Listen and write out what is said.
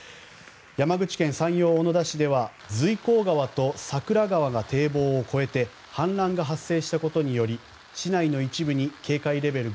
山口県山陽小野田市では随光川と桜川が堤防を越えて氾濫が発生したことにより市内の一部に警戒レベル